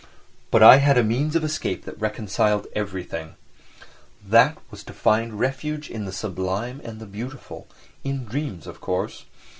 But I had a means of escape that reconciled everything—that was to find refuge in "the sublime and the beautiful," in dreams, of course.